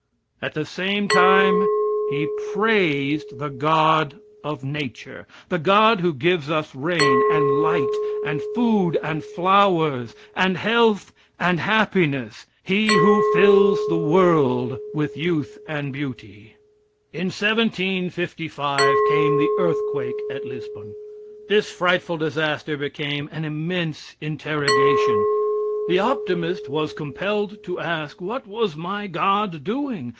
At the same time he praised the God of nature, the God who gives us rain and light, and food and flowers, and health and happiness he who fills the world with youth and beauty. In 1755 came the earthquake at Lisbon. This frightful disaster became an immense interrogation. The optimist was compelled to ask, "What was my God doing?